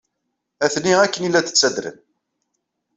Atni akken ay la d-ttadren.